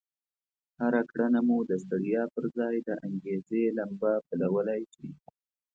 هره کړنه مو د ستړيا پر ځای د انګېزې لمبه بلولای شي.